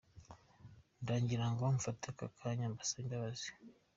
Ndagira ngo mfate aka kanya mbasabe imbabazi.